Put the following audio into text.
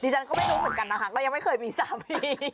ฉันก็ไม่รู้เหมือนกันนะคะก็ยังไม่เคยมีสามี